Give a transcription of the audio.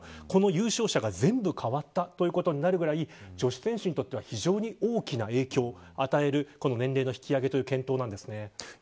この優勝者が全部変わったということになるぐらい女子選手にとっては非常に大きな影響を与える年齢の引き上げの検討なんですね。